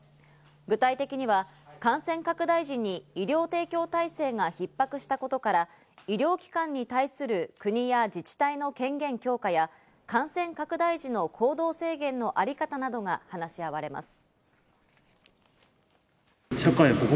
具体的には感染拡大時に医療提供体制が逼迫したことから、医療機関に対する国や自治体の権限強化や感染拡大時の行動制限のあり方などが話し合われます